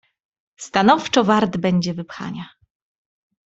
"Stanowczo wart będzie wypchania."